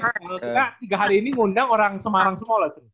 kalau tidak tiga hari ini ngundang orang semarang semua lah cen